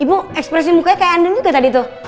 ibu ekspresi mukanya kayak anda juga tadi tuh